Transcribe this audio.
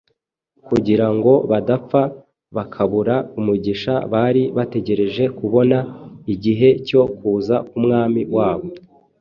kugira ngo badapfa bakabura umugisha bari bategereje kubona igihe cyo kuza k’Umwami wabo.